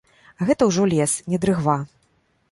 Гэта ўжо лес, не дрыгва.